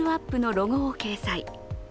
ロゴを掲載。